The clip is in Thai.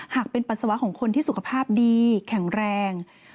หากเป็นปัสสาวะของคนที่สุขภาพดีแข็งแรง